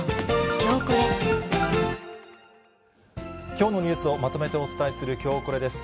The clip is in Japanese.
きょうのニュースをまとめでお伝えする、きょうコレです。